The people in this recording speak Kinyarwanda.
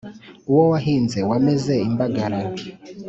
uwo wahinze wameze imbagara